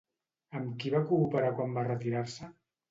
Amb qui va cooperar quan va retirar-se?